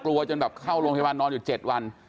กลัวจนแบบเข้าโรงพยาบาลนอนอยู่เจ็ดวัน